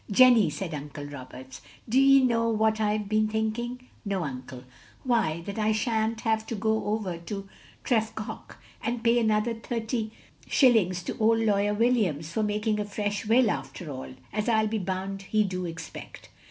"Jenny, " said Uncle Roberts, "d'ye know what I Ve been thinking?" "No, Uncle." Why — ^that I shan't have to go over to Trfef goch, and pay another thirty shillings to old Lawyer Williams for making a fresh will, after all; as I '11 be bound he do expect.